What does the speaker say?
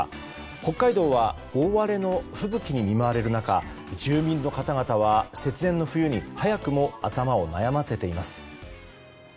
北海道は大荒れの吹雪に見舞われる中住民の方々は節電の冬に早くも頭を悩ませています。